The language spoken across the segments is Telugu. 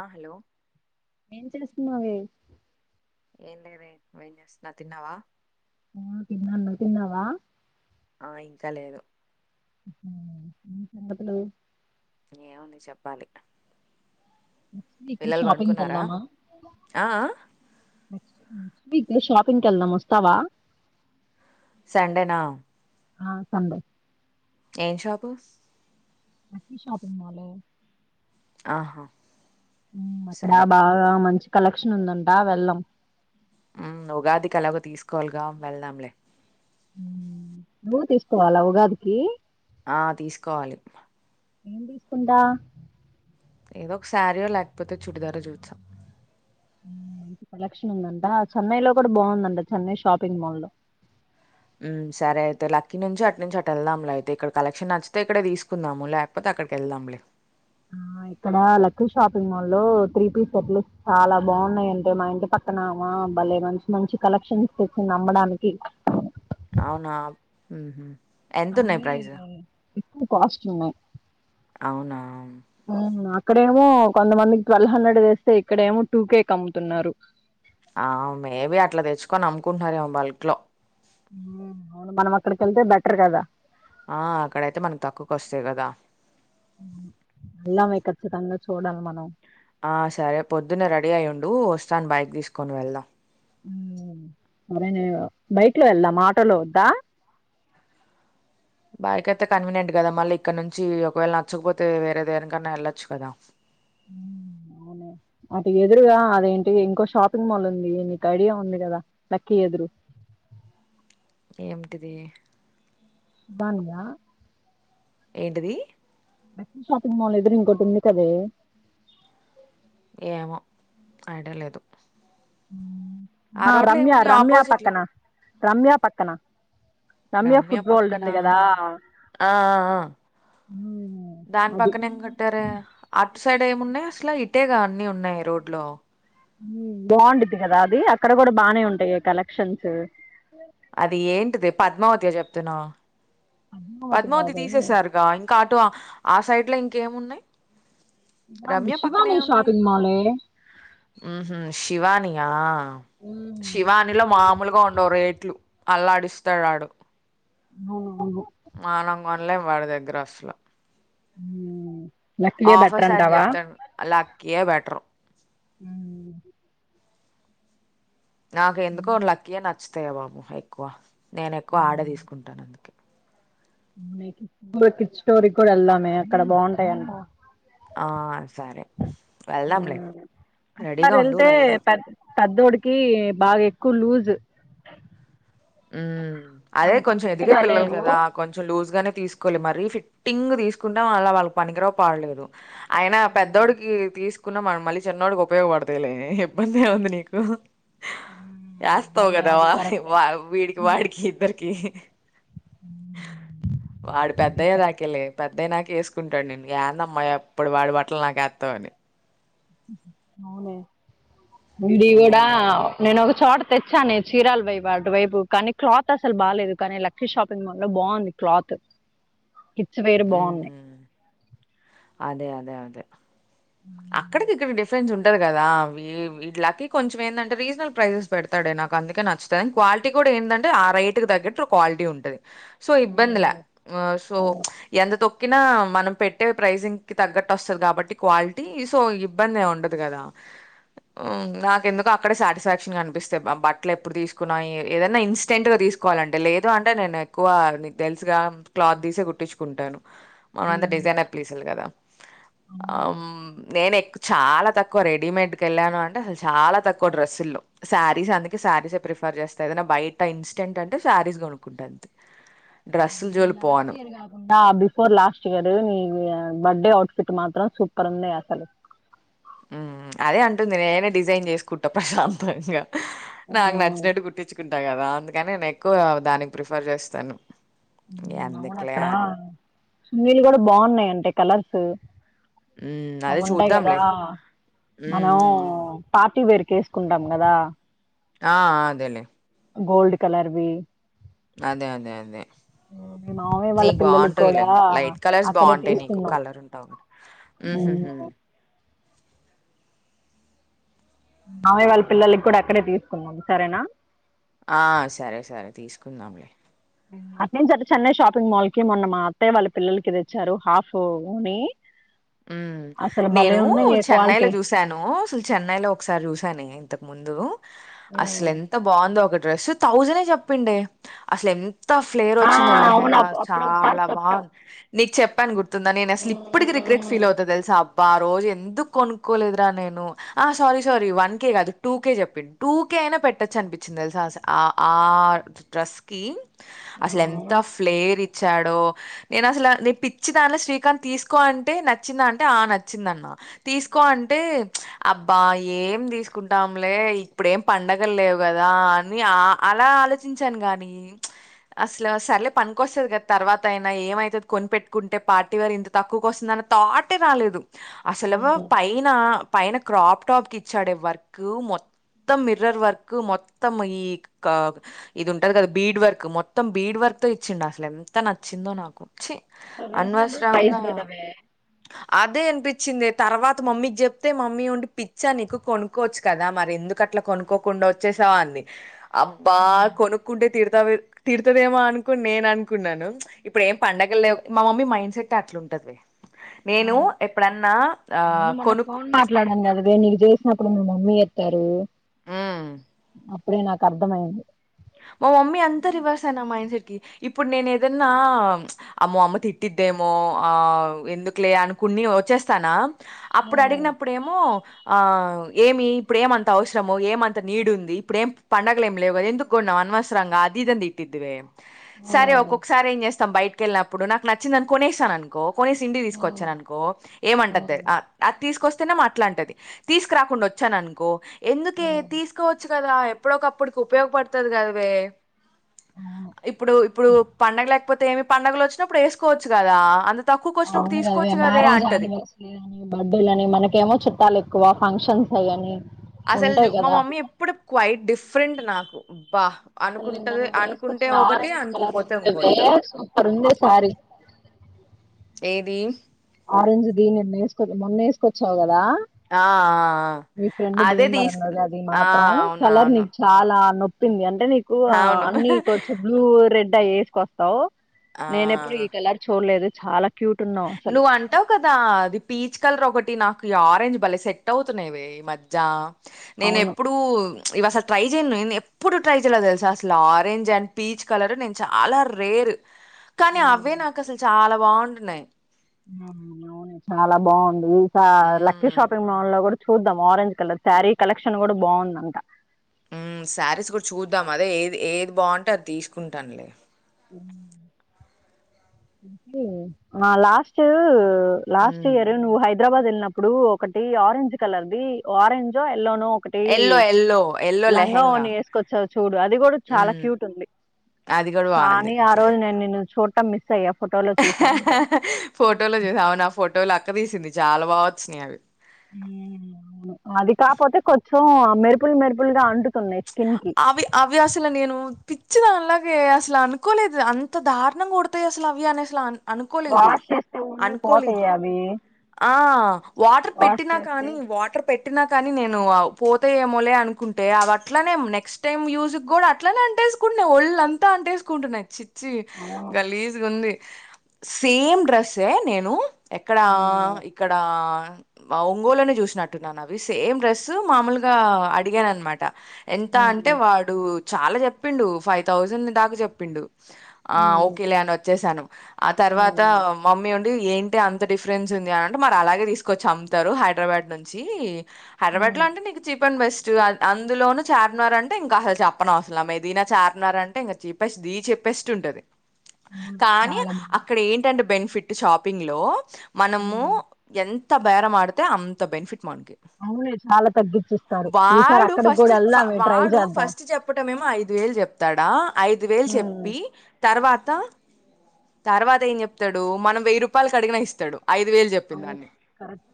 ఆ హలో ఏం చేస్తున్నావే ఏం లేరే ఏేం చేస్తున్నా తిన్నావా ఆ తిన్నాన్న తిన్నావా ఆ ఇంకా లేదు సంగతులు ఏముంది చెప్పాలి పింగ్ పిల్లలు షాపింగ్ పడుకున్నారా వెళ్దామా. ఆ ఆ షాపింగ్ కి వెళ్దాం వస్తావా. సండే నా. ఆ సండే. ఏ షాపు. Chennai shopping mall. ఆహా. అక్కడ సరే బాగా మంచి. కలెక్షన్ ఉందంటా వెళ్ళం. హ్మ్ ఉగాదికి అలాగో తీసుకోవాలిగా వెళ్దాంలే. నువ్వు తీసుకోవాలా ఉగాదికి. ఆ తీసుకోవాలి. ఏం తీసుకుంటా. ఏదో ఒక శారీయో లేకపోతే చుడిదార చూస్తా. మంచి కలెక్షన్ ఉందంట చెన్నై లో కూడా బాగుందంట చెన్నై షాపింగ్ మాల్. హ్మ్మ్ సరే అయితే లక్కి నుంచి అటు నుంచి అటు వెళ్దాంలే అయితే ఇక్కడ కలెక్షన్ నచ్చితే ఇక్కడే తీసుకుందాము లేకపోతే అక్కడికి వెళ్దాంలే. ఆ ఇక్కడ లక్కీ షాపింగ్ మాల్ లో త్రీ పీస్ సెట్లు చాలా బాగున్నాయింటే మా ఇంటి పక్కనమా బాలే మంచి మంచి కలెక్షన్ తెచ్చింది నమ్మడానికి. అవున ఎంత ఉన్నాయి కానీ ప్రైస్ కాస్ట్ ఉన్నాయి అవునా ఇక్కడేమో కొంతమందికి ట్వెల్వ్ హండ్రెడ్ వేస్తే ఇక్కడేమో టూ కే కమ్ముతున్నారు ఆ మేబి అట్లా తెచ్చుకొని అమ్ముకుంటన్నారేమో బల్క్ లో అవును మనం అక్కడికేళ్తే బెటర్ కదా ఆ అక్కడయితే మనకు తక్కువకోస్తాయి కదా వెళ్దాం మే కచ్చితంగా చూడాలి మనం ఆ సరే పొద్దున్న రెడీ అయ్యి ఉండు వస్తాను బైక్ తీసుకొని వెళ్దాం సరే నే బైక్ లో వెళ్దామా ఆటోలో వద్దా బైక్ అయితే కన్వీనియంట్ కదా మళ్ళీ ఇక్కడ నుంచి ఒకవేళ నచ్చకపోతే వేరే దేనికన్నా వెళ్ళొచ్చు కదా అటు ఎదురుగా అదేంటి ఇంకో షాపింగ్ మాల్ ఉంది నీకు ఐడియా ఉంది కదా లక్కీ ఎదురు ఏమిటిది బానియా ఏంటిది లక్కీ షాపింగ్ మాల్ ఎదురు ఇంకోటి ఉంది కదే ఏమో ఐడియా లేదు హ్మ్ ఆ రోడ్లో రమ్యా ఏముంది రమ్యా ఆపోజిట్ లో పక్కన రమ్యా పక్కన రమ్య రమ్యా ఫుడ్ వరల్డ్ పక్కన ఉంది కదా ఆ ఆ మ్మ్. దాని అది పక్కన ఏం కట్టారే అట్ సైడ్ ఏం ఉన్నాయి అసలు ఇటేగా అన్ని ఉన్నాయి రోడ్ లో బాగుండిది కదా అది అక్కడ కూడా బానే ఉంటాయే కలెక్షన్స్ అది ఏంటిది పద్మావతియా చెప్తున్నావ్ పద్మావతి తీసేసారుగా ఇంకా అటో ఆ సైడ్లో ఇంకేం ఉన్నాయి శివాని రమ్య పక్కనే శివాని ఏం ఉన్నాయి షాపింగ్ మాలే ఉహు శివాని ఆ మ్మ్. శివానిలో మామూలుగా ఉండవు రేట్లు అల్లాడిస్తాడాడు అవునవును మనం కొనలేం వాడి దగ్గర అసలా హ్మ్ ఆఫర్స్ అని చెప్తాడు అలా ఇయ్యే బెటర్ హ్మ్ నాకు ఎందుకో మ్మ్. లక్కీ అని అన్ వస్తాయే బాబు ఎక్కువ నేను ఎక్కువ ఆడే తీసుకుంటాను అందుకే పిక్ స్టోరీ కూడా వెళ్దామే అక్కడ బాగుంటాయట ఆ సరే వెళ్దాంలే ఒకసారి రెడీగా ఉండు వెళ్తే వెళ్దాం పెద్ పెద్దోడికి బాగా ఎక్కువ లూజ్ ఉ అదే అంత కొంచెం ఎదిగే ఫిట్గా పిల్లలు లేవు కదా కొంచెం లూజ్గానే తీసుకోవాలి మరి ఫిట్టింగ్ తీసుకుంటే వాళ్ళ వాళ్ళకి పనికిరావ్ పాడలేదు ఆయన పెద్దోడికి తీసు తీసుకున్న మళ్ళీ చిన్నోడికి ఉపయోగపడతాయిలే అని ఇబ్బందిగా ఉంది నీకు ఏస్తావు అవునే కదా అది కరెక్టే బాబ్ వాడికి ఇద్దరు కి వాడు అది పెద్దయ్యె కరెక్టే దాకెలే పెద్దయినాక వేసు సుకుంటాడు నేను ఏందమ్మా ఎప్పుడు వాడి బట్టలు నాకేత్తవు అని అవున ఉంది కూడా ఇంకేంటైతే. నేనొక కాలత్ తెచ్చాను చీరాల పొయ్ అటు వైపు కానీ క్లాత్ అసలు బాలేదు కానీ లక్కీ షాపింగ్ మాల్ లో బాగుంది క్లాత్ కిడ్స్ వేరు బావున్నాయి హ్మ్. అదే అదే అదే అక్కడికి ఇక్కడికీ డిఫరెన్స్ ఉంటాది కదా వీళ్ళకి కొంచెం ఏందంటే రీజనబల్ ప్రైసెస్ పెడతాడే నాకు అందుకే నచ్చుతాయి క్వాలిటీ కూడా ఏందంటే ఆ రేటుకి తగ్గట్టు క్వాలిటీ ఉంటది సో ఇబ్బందిలే సో ఎంత తొ కిన మనం పెట్టే ప్రైజింగ్ కి తగ్గట్టు వస్తది కాబట్టి క్వాలిటీ సో ఇబ్బంది ఏమ్ ఉండదు కదా నాకి ఎందుకొ అక్కడే సాటిస్ఫాక్షన్గా అనిపిస్తాది. బట్టలు ఎప్పుడు తీసుకున్నా ఏదన్నా ఇన్స్టెంట్ గా తీసుకోవాలంటే లేదు అంటే నేను ఎక్కువ తెలుసుగా క్లాత్ తీసే కుట్టించుకుంటాను మనం అంతా డిజైనర్ ప్లీసులు కదా అమ్ నేను ఎక్ చాలా తక్కువ రెడీమేడ్కి వెళ్ళాను అంటే చాలా తక్కువ డ్రస్సుల్లో శారీస్ అందుకే శారీసే ప్రిఫర్ చేస్తా ఏదనా బయట ఇన్స్టెంట్ అంటే శారీస్ కొనుక్కుంటా అంతే డ్రెస్సులు ఈ జోలికి లాస్ట్ పోను ఇయర్ కాకుండా బిఫోర్ లాస్ట్ ఇయర్ నీవు [unintelligible] అఔట్ ఫిట్ మాత్రం సూపర్ గా ఉన్నాయి అసలు అదే అంటుంది నేనే డిజైన్ చేసుకుంటా ప్రశాంతంగా నాకి నచ్చినట్టు కుట్టించ్చుకున్న అంతే కదా అందుకని నేను ఎక్కువ దానికి ప్రిఫర్ చేస్తాను ఇగ అవున ఎందుకులే అక్కడ అని మీళు కూడా బాగున్నాయి అంటా కలర్స్ హ్మ్ అదే అవి ఉంటాయి కదా చూద్దాంలే హ్మ్ మనం హ్మ్ హ్మ్ పార్టీ వేర్ తీసుకుంటాం కదా ఆ అదేలే గోల్డ్ కలర్ వి అదే అదే అదే మీ మామయ్య వాళ్ళ నీకు పిల్లలకి బాగుంటాయి లే కూడా అవి లైట్ కలర్స్ అక్కడే బాగుంటాయి నీకు తీసుకున్నాం కలర్ ఉంటావు కదా మ్మ్ ఉమ్, హ్మ్ మావయ్య వాళ్ళ పిల్లలకి కూడా అక్కడే తీసుకున్నాం సరేనా ఆ సరే సరే తీసుకుందాంలే అటూ నుంచి అంటూ చెన్నై షాపింగ్ మాల్ కి మొన్న మా అత్తయ్య వాళ్ళ పిల్లలకి తెచ్చారు హాఫ్ అని ఉమ్ నేను ఉన్నాయి ఏ చెన్నైలో క్వాలిటీ చూసాను అసలు చెన్నైలో ఒకసారి చూసానే [unintelligible] ముందు అసలు ఎంత బావుందో ఒకట్ డ్రెస్ థౌజనే చెప్పిండే అసలు ఎన్ త ఫ్లేర్ ఆ వచ్చిందో అవును లహెంగా అప్- అప్పుడు ఒకసారి చాలా చెప్పావు బావుంది నీకు చెప్పాను గుర్తుందా నేను అసలు ఇప్పటికీ రిగ్రె ఉమ్, ఫీల్ అవుద్దో దెలుసా భా ఆ రోజు ఎందుకు కొనుక్కోలేదురా నేను ఆ సారీ సారీ వన్ కే కాదు టూ కే చెప్పిండు టూ కే అయినా పెట్టచ్చు అనిపించింది తెలుసాస ఆ ఆ డ్రస్ కి అసలు ఎంత అవును. ఫ్లేరి చ్చాడు నేను అసలు ఆ నే పిచ్చి దానిలా శ్రీకాంత్ తీసుకో అన్ టే నచ్చిందా అంటే ఆ నచ్చిందన్నా తీసుకో అంటే అబ్బా ఏం తీసుకుంటాంలే ఇప్పుడేం పండగ లేవు కదా అని ఆ అలా ఆలోచించాను గానీ అసలు సరేలే పనికిస్తుది కదా తర్వాత అయినా ఏమైతుది కొనిపెట్టుకుంటే పార్టీ వేర్ ఇంత తక్కువకొస్తుందన థాట్ ఏ రాలేదు అసలు పైన పైన క్రాప్ టాప్ కి ఇచ్చాడే వర్క్ మొత్తం మిర్రర్ వర్క్ మొత్తం ఈ క ఇది ఉంటది కదా బీడ్ వర్క్ మొత్తం బీడ్ వర్క్ తో ఇచ్చిండు అసలు ఎంత నచ్చిందో నాకు ఛీ [unintelligible] రీజనబుల్ ప్రైస్ అనవసరంగా కదా మే అదే అన్పిచ్చిందే తర్వాత మమ్మీకి చెప్తే మమ్మీ ఉండి పిచ్చా నీకు కొనుక్కోవచ్చు కదా మరి ఎందుకు అట్లా కొనుక్కోకుండా వచ్చేసావా అంది అబ్బా కొనుకుంటే తిడుదావే తిడుతదేమో అనుకుని నేను అనుకున్నాను ఇప్పుడు ఏం పండగల్లేవు మా మమ్మీ మైండ్ సెట్ అట్లుంటది నేను అవును ఎప్పుడన్నా ఆ కొనుక్ అప్పుడు మీ మమ్మీ ఎత్తారు హ్మ్ అ ప్పుడే నాకు అర్ధమయ్యింది మా మమ్మీ అంతా రివర్సే నా మైండ్ సెట్ కి ఇప్పుడు నేను ఏదన్నా అమ్మో అమ్మ తిట్టిద్దేమో ఆ ఎందుకులే అనుకుని వచ్చేస్తానా అప్పుడు అడిగినప్పుడు ఏమో ఆ ఏమి ఇప్పుడు ఏం అంత అవసరము ఏం అంత నీడ్ ఉంది ఇప్పుడేం పండగలు ఏం లేవుకదా ఎందు గొన్నావ్ అన్వసరంగా అదిది అని దిట్టిద్ది వే సరే అవును ఒక్కొక్కసారి ఏం చేస్ తాం బైటకెళ్ళినప్పుడు నాకు నచ్చిందని కొనేసాను అనుకో కొనేసి ఇంటికి తీసుకొచ్చాను అనుకో ఏమంటాది ఆ అది తీసుకొస్త్ తే నేమో అట్లంటాది తీసుకురాకుండా వచ్చాను అనుకో ఎందుకే తీసుకోవచ్చు గదా ఎప్పుడో ఒకప్పుడుకి ఉయోగపడు తది గద వే ఇప్పుడు ఇప్పుడు పండగలే కాకపోతే ఏమి పండగలు వచ్చినప్పుడు వేసుకోవచ్చు కదా అ అవునుగాదే మ్యారేజ్ ఆనివర్సరీ అని బర్త్డేలని మనకేమో చుట్టాలు ఎ ఎక్కువ ఫంక్షన్స్ అయి అనీ అసలు చూ మా మమ్మీ ఎప్పుడు క్వైట్ డిఫరెంట్ నాకు బా అసలు నిన్న అనుకుంటది నన్ను వేసుకొచ్చు అనుకుంటే ఒకటి ఆరెంజ్ కలర్ అనుకోపోతే ఉంది వే ఇంకోటి నాకు సూపర్ ఉంది సారీ దేన్ ఆరెంజ్ దీ నిన్న వేసుకొలే మొన్న ఎసుకొచ్చావు కదా ఆ ఆ మీ ఫ్రెండ్ అదే భీంవరం తీసుకు కదా అది ఆ మాత్రం అవును చల్లర్ని అవును చాలానో పింద్యన్ అంటే నీకు అవును అన్ని కొంచె బ్లూ రెడ్ ట ఎసుకొస్తావు ఆ నేను ఎప్పుడు ఈ కలర్ చూడలేదు చాలా క్యూట్ ఉన్నావు అసలు నువ్వు అంటావు కదా అది పీచ్ కలర్ ఒకటి నాకు ఈ ఆరెంజ్ భలే సెట్ అవుతున్నాయి వే ఈ మజ్యా నేను అవును ఎప్పుడూ ఇవి అసలు ట్రై చేయను. నేను ఎప్పుడు ట్రై చేయల తెలుసా అసల ఆరెంజ్ అండ్ పీచ్ కలర్ నేను చాలా రేర్. కానీ హ్మ్. అవే నాకు అసలు చాలా బాగుంటున్నాయి అవును చాలా బాగుంది లక్కీ మ్మ్. షాపింగ్ మాల్ లో కూడా చూద్దాం ఆరెంజ్ కలర్ శారీ కలెక్షన్ కూడా బాగుందంట ఉమ్ శారీస్ కూడా చూద్దాం అదే ఏది ఏది బాగుంటే అది తీసుకుంటానులే ఆ లాస్ట్ లాస్ట్ మ్మ్. ఇయర్ నువ్ హై హైదరాబాద్ వెళ్ళినప్పుడు ఒకటి ఆరెంజ్ కలర్ ది ఆరెంజో లోనూ ఒకటి ఎల్లో ఎల్లో ఎల్లో లంగ వోని లెహెంగా వేసుకొచ్చావ్ చూడు అది కూడా చాలా హ్మ్ క్యూట్ ఉంది అది కూడా బాగుంది. కానీ ఆ రోజు నేను నిన్ను చూ సమ్ మీ ఫోటోలో చస్తావునా ఫో ఎవలో అక్క తీసింది చాలా బా వచ్చినయి అవి ను అది కాపోతే కొంచెం మెరుపులు మెరుపులుగా అంటు ఆవి అవి అసలు నేను పిచ్చి దని అలాగే అసలు అనుకోలేదు అంత దారుణంగా కొడతాయి అసలు అవి అనేసి లాన్ అనుకోలేదు వాష్ చేస్తే ఉన్ని అనుకోలేదు పోతాయి అవి ఆ వాటర్ వాష్ పెట్టినా చేస్తే కానీ వాటర్ పెట్ ట్టినా కానీ నేను పోతే ఏమోలే అనుకుంటే అవట్ అట్లనే నెక్స్ట్ టైమ్ యూజ్ కి కూడా అట్లనే అంటేసుకుంటున్నాయి ఒళ్ళ అంతా అంటేసుకుంటున్నాయి చి చ్చి అవును గలీజుగ ఉంది సేమ్ డ్రెస్సె నేను ఎక్కడా హ్మ్ ఇక్కడా మా ఒంగోల్లోనే చూసినట్టున్నాను అవి సేమ్ డ్రెస్ మామూలుగా అడిగాను అన్నమాట ఎంత అంటే హ్మ్ వాడు చాలా చెప్పిండు ఫైవ్ థౌజండ్ దాకా చెప్పిండు ఆ హ్మ్ ఓకేలే అని వచ్చేసాను ఆ తర్వాత హ్మ్ మమ్మీ ఉండే ఏంటి అంత డిఫరెన్స్ ఉంది అని అంటే మరి అలాగే తీసుకొచ్చి అమ్ముతారు హైదరాబాద్ నుంచి హైరబాద్ లో హ్మ్. అంటే నీకు చీప్ అండ్ బెస్ట్ అందులోను చార్మినార్ అంటే ఇంకా అసలు చెప్పనవసరం లేదు ఏదైనా చార్మినార్ అంటే ఇంకా చిపేస్ట్ ది చిపేస్ట్ ఉంటది. అవును. కానీ చాలా బావుంది. అక్కడ ఏంటంటే బెన్ ఫిట్ షాపింగ్ లో మనము హ్మ్. ఎంత ఎంత బేరం ఆడితే అంత బెనిఫిట్ మనకి. అవును చాలా తగ్గించిస్తారు ఈసారి వాడు అక్కడికి ఫస్ట్ కూడా వే వాడు ఫస్ట్ చెప్పటమెమో ఐదు ది వేలు చెప్తాడా ఐదు వేలు హ్మ్. చెప్పి తర్వాత త తర్వాత ఏం చెప్తాడు మనం వెయ్యి రూపాయలు కు అడిగిన ఇస్తాడు ఐదు వేలు అవును. చెప్పిందాన్ని కరెక్ట్.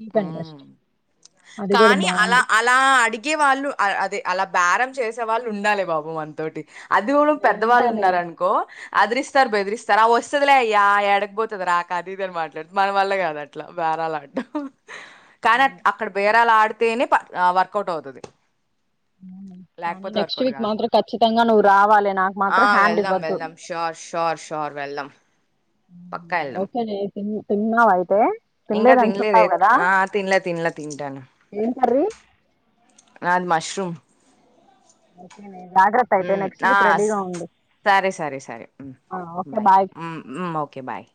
చీప్ ఊ అండ్ బెస్ట్. అది గూడా కానీ అలా బావుంది. ఆ అడిగే వాళ్ళు అదే అలా బెరం చేసే వాళ్ళు ఉండాలే బాబు మనతోటి అది కూడా పెద్దవాళ్ళు నేనుంటానుగా. ఉన్నారు అనుకో అదిరిస్తారు బెదిరిస్తారు ఆ వస్తదిలే అయ్యా ఎడకపోతుంది రాక అది ఇది అని మాట్లాడుతారు మన వల్ల కాదు అట్లా బేరాలు ఆడ్డమ్ కానీ అక్కడ బేరలా ఆడ తేనె ప ఆ వర్కౌట్ అవుతది [inaudible] కానీ లేకపోతే నెక్స్ట్ వర్కౌట్ వీక్ కాదు. మాత్రం ఖచ్చితంగా నువ్వు రావాలి నాకు ఆ! మాత్రం హ్యాండ్ వెళ్దాం ఇవ్వద్దు వెళ్దాం షూర్ షూర్ షూర్ వెళ్దాం. పక్కా ఎళ్దాం. ఓకే నే త్తి తిన్నావ అ ఇంకా తినలేదే ఆ తినలే తినలే తింటాన ఏం కర్రీ? నాది మష్రూమ్ ఓకే నే హు ఆ సరే సరే సరే ఆ! ఓకే. బాయ్ హు ఓకే బాయ్